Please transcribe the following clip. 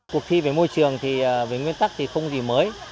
cuộc thi về môi trường thì về nguyên tắc thì không gì mới